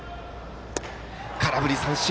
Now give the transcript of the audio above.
空振り三振。